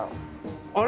あれ？